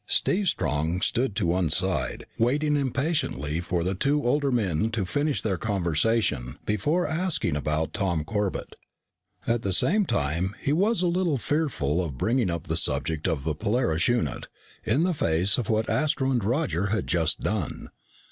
Steve Strong stood to one side, waiting impatiently for the two older men to finish their conversation before asking about Tom Corbett. At the same time, he was a little fearful of bringing up the subject of the Polaris unit, in the face of what Astro and Roger had just done.